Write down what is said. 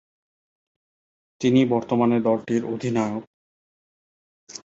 তিনি বর্তমানে দলটির অধিনায়ক।